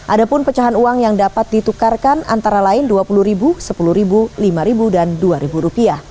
ada pun pecahan uang yang dapat ditukarkan antara lain rp dua puluh rp sepuluh rp lima dan rp dua